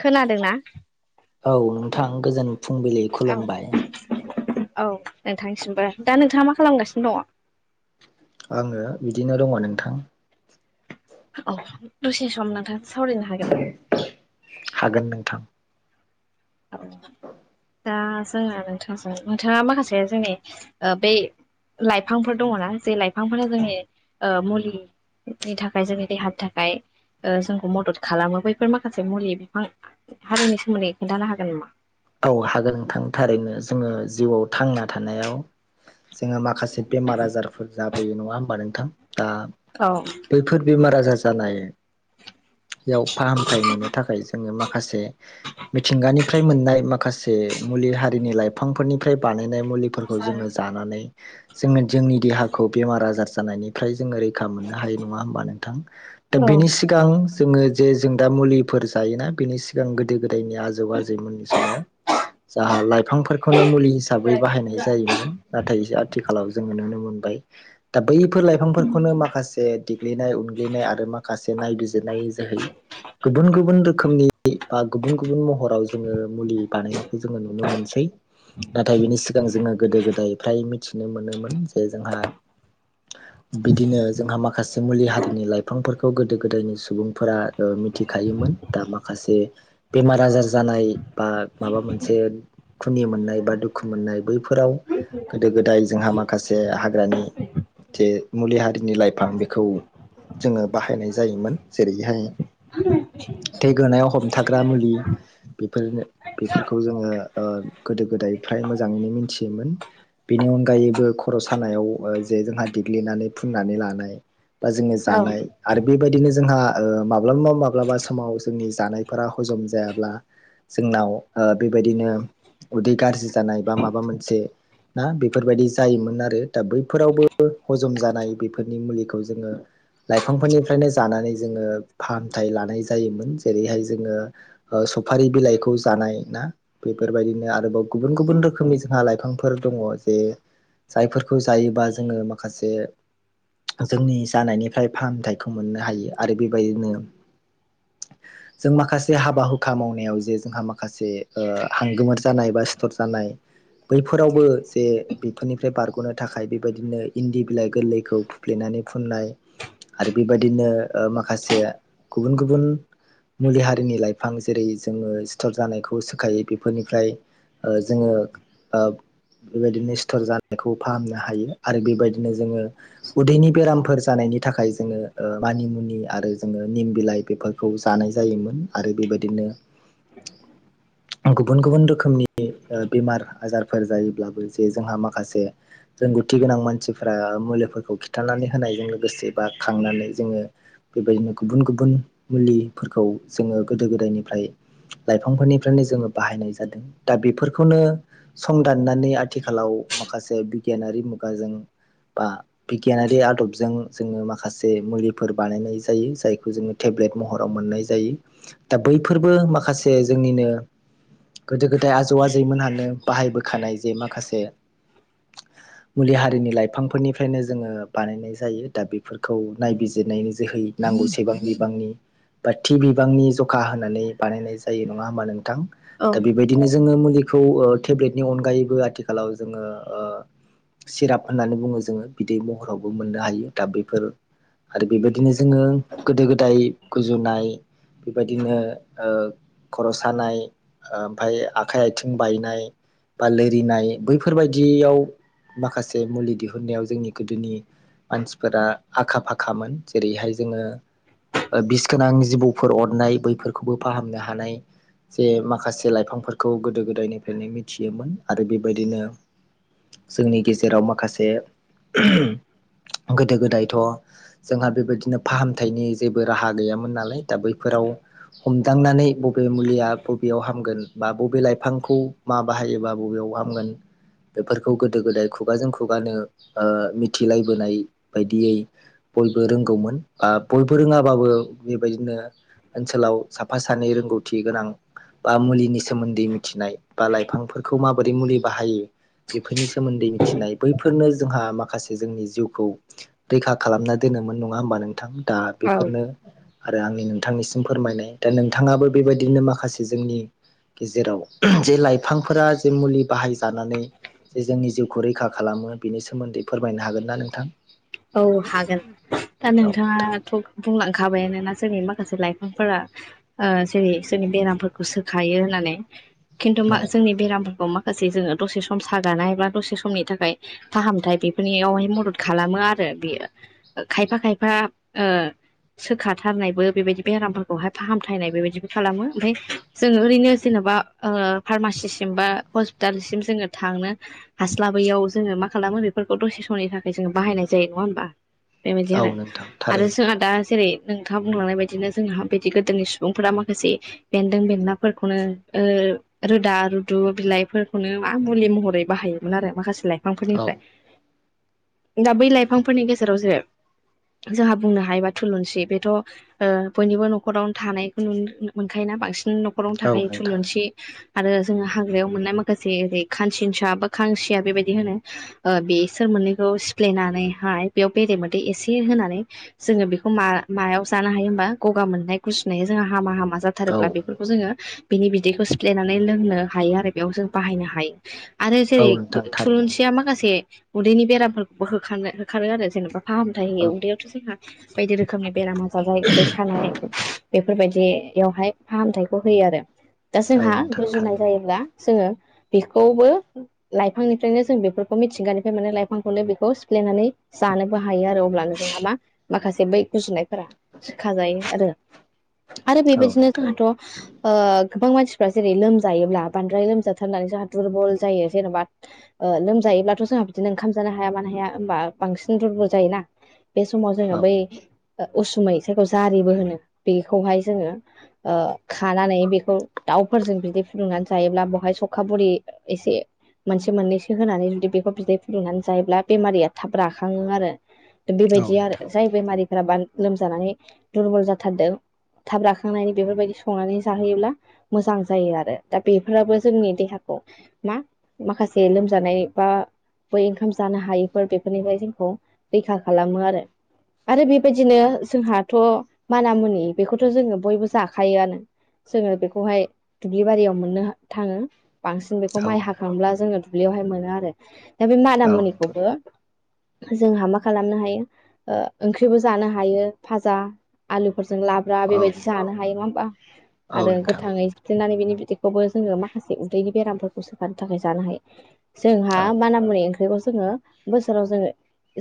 खोनादोंना? औ नोंथां गोजोन फुंबिलि खुलुमबाय। नोंथांनिसिमबो दा नोंथाङा मा खालामगासिनो दङ? आङो बिदिनो दङ नोंथां। औ दसे सम नोंथांजों सावरायनो हागोन ना? हागोन नोंथां। दा जोङो नोंथांजों नोंथाङा माखासे जोंनि ओ बै। लाइफांफोर दङना जे लाइफांफोरा जोंनि मुलि थाखाय जोंनि देहानि थाखाय जोंखौ मदद खालामो बैफोर माखासे मुलि बिफां हारिनि सोमोन्दै खोनन्थानो हागोन नामा? औ हागोन नोंथां थारैनो जोङो जिउआव थांना थानायाव जोङो माखासे बेमार आजारफोर जाबोयो नङा होमबा नोंथां दा औ बैफोर बेमार आजार जानाय ह फाहामथाय मोननो थाखाय जोङो माखासे मिथिंगानिफ्राय मोननाय माखासे मुलि हारिनि लाइफांफोरनिफ्राय बानायनाय मुलिफोरखौ जोङो जानानै। जोङो जोंनि देहाखौ बेमार आजार जानायनिफ्राय जोङो ओरै हायो नङा हा नोंथां औ बेनि। सिगां जोङो जे जों दा मुलिफोर जायोना बिनि सिगां गोदो-गोदायनि आजौ आजैमोननि समाव जाहा लाइफांफोरखौनो मुलि हिसाबै बाहायनाय जायोमोन। नाथाय आथिखालाव जोङो नुनो मोनबाय। दा बैफोर लाइफांफोरखौनो माखासे देग्लिनाय-उनग्लिनाय आरो माखासे नायबिजिरनाय जोहै। गुबुन गुबुन रोखोमनि बा गुबुन-गुबुन महराव जोङो मुलि बानायनायखौ जोङो नुनो मोनसै। नाथाय बिनि सिगां जोङो गोदो-गोदाय फ्राय मिथिनो मोनोमोन जे जोंहा बिदिनो जोंहा माखासे मुलि हारिनि लाइफांफोरखौ गोदो गोदायनि सुबुंफोरा मिथिखायोमोन दा माखासे बेमार-आजार जानाय। बा माबा मोनसे खुनि मोननाय बा दुखु मोननाय बैफोराव गोदो गोदाय जोंहा माखासे हाग्रानि जे मुलि हारिनि लाइफां बेखौ। जोङो बाहायनाय जायोमोन जेरैहाय थैगोनायाव हमथाग्रा मुलि। फोरनो बेफोरखौ जोङो गोदो गोदाय फ्राय मोजाङैनो मिथियोमोन बेनि अनगायैबो खर' सानायाव जे जोंहा देग्लिनानै फुननानै लानो बा जोङो औ जानाय आरो बेबायदिनो जोंहा माब्लाबा माब्लाबा समाव जोंनि जानायफोरा हजम जायाब्ला जोंनाव बेबायदिनो उदै गाज्रि जानाय बा माबा मोनसे ना बेफोरबायदि जायोमोन आरो दा बैफोरावबो हजम जानाय बेफोरनि मुलिखौ जोङो लाइफांफोरनिफ्रायनो जानानै जोङो फाहामथाय लानाय जायोमोन जेरैहाय जोङो सुफारि बिलाइखौ खौ जानाय ना बेफोरबायदिनो आरोबाव गुबुन गुबुन रोखोमनि जोंहा लाइफांफोर दङ जे। जायफोरखौ जायोबा जोङो माखासे जोंनि जानायनिफ्राय फाहामथायखौ मोननो हायो आरो बेबायदिनो। जों माखासे हाबा हुखा मावनायाव जे जोंहा माखासे हांगोमोर जानाय बा सिथर जानाय बैफोरावबो जे बेफोरनिफ्राय बारग'नो थाखाय बेबायदिनो इन्दि बिलाइ गोरलैखौ सिफ्लेनानै फुननाय आरो बेबायदिनो माखासे गुबुन गुबुन मुलि हारिनि लाइफां जेरै जोङो सिथर जानायखौ सोखायो बेफोरनिफ्राय जोङो। बेबायदिनो सिथर जानायखौ फाहामनो हायो आरो बेबायदिनो जोङो। उदैनि बेरामफोर जानायनि थाखाय जोङो ओ-मानिमुनि आरो जोङो निम बिलाइ बेफोर। खौ जानाय जायोमोन आरो बेबायदिनो। [inaudible] गुबुन-गुबुन रोखोमनि बेमार-आजारफोर जायोब्लाबो जे जोंहा माखासे। रोंगौथि गोनां मानसिफोरा मुलिफोरखौ खिन्थानानै होनायजों लोगोसे बा खांनानै जोङो। बेबायदिनो गुबुन-गुबुन मुलिफोरखौ जोङो गोदो गोदायनिफ्राय। लाइफांफोरनिफ्रायनो जोङो बाहायनाय जादों दा बेफोरखौनो। सं दाननानै आथिखालाव माखासे बिगियानारि मुगाजों बा। बिगियानारि आदबजों जोङो माखासे मुलिफोर बानायनाय जायो जायखौ जोङो। टेब्लेट महराव मोननाय जायो दा बैफोरबो माखासे जोंनिनो। गोदो गोदाय आजौ आजैमोनहानो बाहायबोखानाय जे माखासे। [inaudible] मुलि हारिनि लाइफांफोरनिफ्रायनो जोङो बानायनाय जायो दा बेफोरखौ नायबिजिरनायनि जोहै। नांगौसेबां बिबांनि बा थि बिबांनि जखा होनानै बानायनाय जायो। जायो नङा हा नोंथां दा औ बेबायदि बिदिनो जोङो मुलिखौ टेब्लेटनि अनगायैबो आथिखालाव जोङो ओ सिराप होननानै बुङो जोङो बिदै महरावबो मोननो हायो दा बेफोर। आरो बेबायदिनो जोङो गोदो-गोदाय गुजुनाय। बेबायदिनो ओ खर सानाय ओमफ्राय आखाइ आथिं बायनाय। बा लोरिनाय बैफोरबायायदियाव माखासे मुलि दिहुननायाव जोंनि गोदोनि। मानसिफोरा आखा फाखामोन जेरैहाय जोङो। बिस गोनां जिबौफोर अरनाय बैफोरखौबो फाहामनो हानाय। जे माखासे लाइफांफोरखौ गोदो गोदायनिफ्रायनो मिथियोमोन आरो बेबायदिनो। जोंनि गेजेराव माखासे। गोदो गोदायथ जोंहा बेबायदि। बिदिनो फाहामथायनि जेबो राहा गैयामोन नालाय दा बैफोराव हमदांनानै। बबे मुलिया बबेयाव हामगोन बा बबे लाइफांखौ मा बाहायोबा बबेयाव हामगोन। बेफोरखौ गोदो-गोदाय खुगाजों-खुगानो ओ-मिथिलायबोनाय बायदियै। बयबो रोंगौमोन बा बयबो रोङाबाबो बेबायदिनो। ओनसोलाव साफा सानै रोंङ रोंगौथि गोनां बा मुलिनि सोमोन्दै मिथिनाय बा लाइफांफोरखौ माबोरै मुलि बाहायो। बेफोरनि सोमोन्दै मिथिनाय बैफोरनो जोंहा माखासे जोंनि जिउखौ। रैखा खालामना दोनोमोन नङा होमबा नोंथां दा औ बेफोरनो। आरो आंनि नोंथांनिसिम फोरमायनाय दा नोंथाङाबो बेबायदिनो माखासे जोंनि। गेजेराव जे लाइफांफोरा जे मुलि बाहायजानानै। जे जोंनि जिउखौ रैखा खालामो बेनि सोमोन्दै फोरमायनो हागोन ना नोंथां। औ हागोन दा औ नोंथां नोंथाङाथ। बुंलांखाबायानोना जोंनि माखासे लाइफांफोरा। ओ-जेरै जोंनि बेरामफोरखौ सोखायो होननानै खिन्थु औ मा जोंनि बेरामफोरखौ मा? माखासे जोङो दसे सम सागानाय बा दसे समनि थाखाय फाहामथाय बेफोरनियावहाय मदद खालामो आर- रो बियो खायफा खायफा ओर सोखाथारनायबो बेबायदि बेरामफोरखौहाय फाहामथायनाय बेबायदिबो खालामो ओमफफ्राय। जोङो ओरैनो जेनेबा ओ-फार्मासिसिम बा हस्पिटालसिम जोङो थांनो। हास्लाबैयाव जोङो मा खालामो बेफोरखौ दसे समनि थाखाय जोङो बाहायनाय। जायो नङा हबा बेबायदि औ आरो नोंथां आरो थारैनो जोंहा दा जेरै। नोंथाङा बुंलांनाय बायदिनो जोंहा बिदि गोदोनि सुबुंफोरा माखासे। बेन्दों-बेन्लाफोरखौनो रोदा रुदु बिलाइफोरखौनो मा मुलि महरै बाहायो। मोन आरो माखासे औ लाइफांफोरनिफ्राय। दा बै लाइफांफोरनि गेजेराव जे जोंहा बुंनो हायोबा थुलुंसि बेथ' ओ बयनिबो न'खरावनो थानायखौ नुनो मोनखायोना बांसिन न'खरावनो औ थाखायो नोंथां थुलुंसि आरो जोङो हाग्रायाव मोननाय माखासे ओरै खानसिनसा बा खांसिया बेबायदि होनो बेसोर मोननैखौ सिफ्लेनानैहाय बेयाव बेरे मोदै एसे होनानै जोङो बेखौ मा मायाव जानो हायो होमबा गगा मोननाय गुजुनाया जोंहा हामा हामा जा औ थारोब्ला बेफोरखौ जोङो बिनि बिदैखौ सिफ्लायनानै लोंनो हायो आरो बेयाव जों बाहायनो हायो। आरो औ जेरै नोंथां थारैनो थुलुंसिया माखासे उदैनि बेरामफोरखौबो होखारनो होखारो आरो जेनेबा फाहाम औ उदैयावथ' जोंहा बायदि रोखोमनि बेराम आजार जायो उदै सानाय बे फोरबायदियावहाय फाहामथायखौ होयो आरो। दा औ जोंहा नोंथां गुजुनाय थारैनो जायोब्ला जोङो बेखौबो लाइफांनिफ्रायनो जों बेफोरखौ मिथिंगानिफ्राय मोनो लाइफांखौनो बेखौ सिफ्लेनानै जानोबो हायो आरो अब्लानो नोङाबा माखासे बै गुजुनायफोरा सोखाजायो आरो। आरो औ बेबायदिनो नोंथां जोंहाथ' ओ गोबां मानसिफ्रा जेरै लोमजायोब्ला बांद्राय लोमजाथारनानै जा दुरबल जायो जेनेबा ओ लोमजायोब्लाथ' जोंहा बिदिनो ओंखाम जानो हाया मानो हाया होमबा बांसिन दुरबल जायोना। बे समाव जोङो औ बै ओ उसुमै जायखौ जारिबो होनो बेखौहाय जोङो ओ खानानै बेखौ दाउफोरजों बिदै फुदुंनानै जायोब्ला बहाय सखा बरि एसे मोनसे मोननैसो होनानै जुदि बेखौ बिदै फुदुंनानै जायोब्ला बेमारिया थाब राखाङो आरो औ बेबायदि आरो नोंथां जाय बेमारिफ्रा लोमजानानै दुरबल जाथारदों थाब राखांनायनि बेफोरबायदि संनानै जाहोयोब्ला मोजां जायो आरो। दा बेफोराबो जोंनि देहाखौ मा माखासे लोमजानाय बा बै ओंखाम जानो हायि फोर बेफोरनिफ्राय जोंखौ रैखा खालामो आरो। आरो बेबायदिनो जोंहाथ' माना मुनि बेखौथ' जोङो बयबो जाखायोआनो। जोङो बेखौहाय दुब्लि बारियाव मोननो थाङो। बांसिन बेखौ औ माइ हाखांब्ला जोङो दुब्लियावहाय मोनो आरो। दा बे औ नोंथां मानामुनिखौबो जोंहा मा खालामनो हायो ओ ओंख्रिबो जानो हायो, फाजा, आलुफोरजों ला ब्रा औ औ नोंथां औ बेबायदि जानो हायो नङा होमबा? औ नोंथां औ आरो नोंथां गोथाङै थुफ्लेनानै बिनि बिदैखौबो जोङो माखासे उदैनि बेरामफोरखौ सोखानो थाखाय जानो हायो। जोंहा औ मानामुनि ओंख्रिखौ जोङो बोसोराव जोङो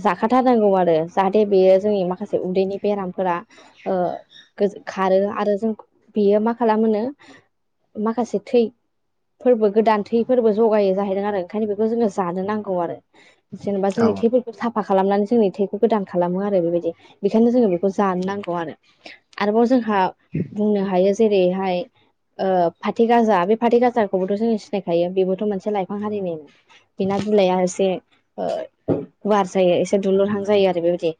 जाखाथारनांगौ आरो जाहाथे बेयो जोंनि माखासे उदैनि बेरामफोरा ओ गो खारो आरो जों बेयो मा खालामोनो माखासे थै फोरबो गोदान थैफोरबो जगायो जाहैदों आरो ओंखायनो बेखौ जोङो जानो नांगौ आरो। जेनेबा औ जोंनि थै खौ साफा खालामनानै जोंनि थैखौ गोदान खालामो आरो बेबायदि। बेखायनो जोङो बेखौ जानो नांगौ आरो। आरोबाव जोंहा बुंनो हायो जेरैहाय ओ फाथो गाजा बे फाथै गाजाखौबोथ' जोंङो सिनायखायो बेबोथ' मोनसे लाइफां हारिनिनो। बिना बिलाइाया एसे गुवार जायो एसे दुलुरहां जायो आरो बेबायदि।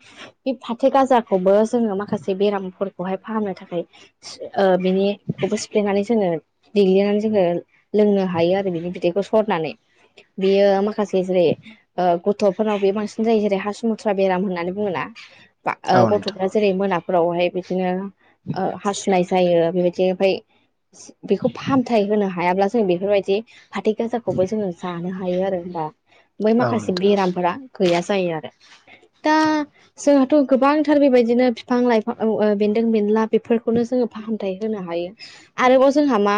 बे फाथो गाजाखौबो जोङो माखासे बेरामफोरखौहाय फाहामनो थाखाय ओ बेनि बेखौबो सिफ्लेनानै जोङो देग्लिनानै जोङो लोंनो हायो आरो बिनि बिदैखौ सरनानै। बेयो माखासे जेरै ओ गथ'फोरनाव बे बांसिन जायो जेरै हासुमुथ्रा बेराम होननानै बुङोना बा ओ औ नोंथां गथ'फोरा जेरै मोनाफोरावहाय बिदिनो ओ हासुनाय जायो बेबायदि ओमफ्राय बेखौ फाहामथाय होनो हायाब्ला जों बेफोरबायदि फाथो गाजाखौबो जोङो जानो हायो आरो होनबा बै औ नोंथां औ माखासे बेरामफोरा गैया जायो आरो। दा जोङो थ' गोबांथार बेबायदिनो बिफां लाइफां बेन्दों बेनला बेफोरखौनो जोङो फाहामथाय होनो हायो। आरोबाव जोंहा मा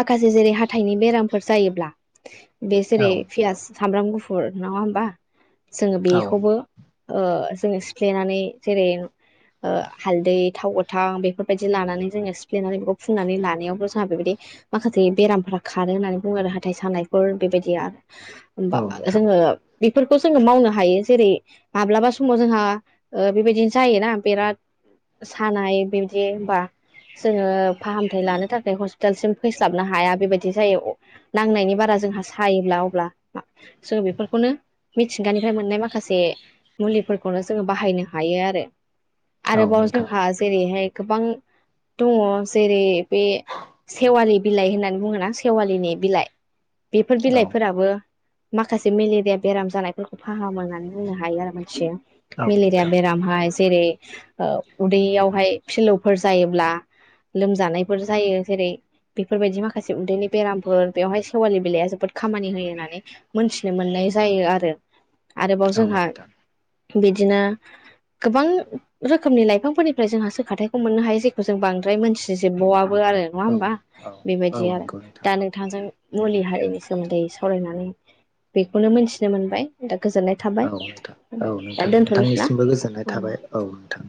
माखासे जेरै हाथाइनि बेरामफोर जायोब्ला बे औ जेरै नोंथां पियास सामब्राम गुफुर नङा होमबा जोङो बेखौबो ओ जोङो सिफ्लेनानै जेरै ओ हालदै थाव गोथां बेफोरबायदि लानानै जोङो सिफ्लेनानै बेखौ फुननानै लानायावबो जोंहा बेबायदि माखासे बेरामफोरा खारो होननानै बुङो आरो हाथाय सानायफोर बेबायदि आरो होमबा जोङो बेफोरखौ जोङो मावनो हायो, जेरै माब्लाबा समाव जोंहा ओ बेबायदिनो जायोना बेराद सानाय बिबादि होनबा जोङो फाहामथाय लानो थाखाय हस्पिटालसिम फैस्लाबनो हाया बेबायदि जायो। अ नांनायनि बारा जोंहा सायोब्ला अब्ला जोङ बेफोरखौनो मिथिंगानिफ्राय मोननाय माखासे मुलिफोरखौनो जोङो बाहायनो हायो आरो। औ आरोबाव जोंहा जेरैहाय गोबां दङ जेरै बे सेवालि बिलाइ होननानै बुङोना सेवालिनि बिलाइ बेफोर बिलाइफोराबो माखासे मेलेरिया बेराम जानायफोरखौ फाहामो होननानै बुंनो हायो आरो मानसिया मेलेरिया बेराम। हाय जेरै ओ उदैयावहाय फिलौफोर जायोब्ला लोमजानायफोर जायो जेरै बेफोरबायदि माखासे उन्दैनि बेरामफोर बेवहाय सेवालि बिलाइआ जोबोद खामानि होयो होननानै मोनथिनो मोननाय जायो आरो। आरोबाव जोंहा नोंथां बिदिनो गोबां रोखोमनि लाइफांफोरनिफ्राय जोंहाासोखथायखौ मोननो हायो जेखौ जों बांद्राय मोनथिजोबबावआबो आरो। नङा औ औ होमबा औ बेबायदि आरो नंगौ नोंथां दा नोंथांजों मुलि हारिनि सोमोन्दै सावरायनानै बेखौनो मोनथिनो मोनबाय। दा गोजोननाय थाबाय औ नोंथां औ दा नोंथां दोनथ'नोसै ना नोंथांनिसिमबो गोजोननाय औ थाबाय औ नोंथां।